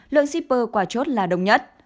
lượng shipper quả chốt là đông nhất